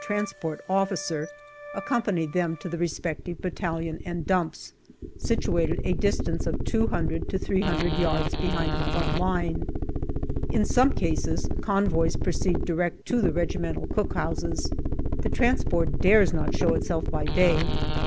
Transport Officer accompany them to the respective battalion and dumps, situated a distance of two hundred to three hundred yards behind the front line. In some cases convoys proceed direct to the regimental cook houses. The transport dares not show itself by day.